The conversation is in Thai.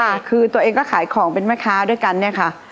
ค่ะคือตัวเองก็ขายของเป็นแม่ค้าด้วยกันเนี่ยค่ะ